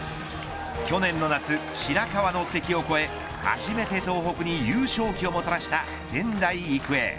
去年の夏、白河の関を越え初めて東北に優勝旗をもたらした仙台育英。